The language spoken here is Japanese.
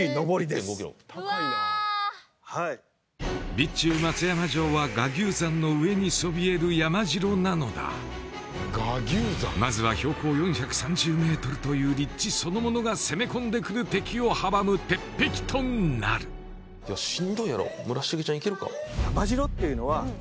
備中松山城は臥牛山の上にそびえる山城なのだまずは標高４３０ｍという立地そのものが攻め込んでくる敵を阻む鉄壁となるそうですねよっしゃ！